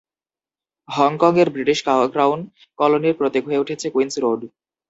হংকং-এর British crown কলোনির প্রতীক হয়ে উঠেছে কুইন্স রোড।